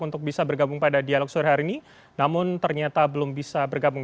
untuk bisa bergabung pada dialog sore hari ini namun ternyata belum bisa bergabung